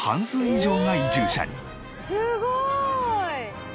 すごい！